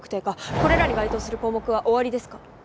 これらに該当する項目はおありですか？